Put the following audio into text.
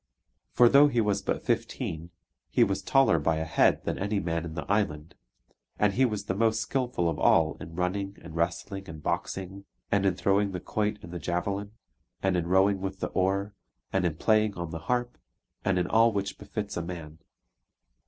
For though he was but fifteen, he was taller by a head than any man in the island; and he was the most skilful of all in running and wrestling and boxing, and in throwing the quoit and the javelin, and in rowing with the oar, and in playing on the harp, and in all which befits a man.